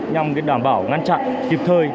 nhằm đảm bảo ngăn chặn kịp thời